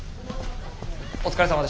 お疲れさまでした。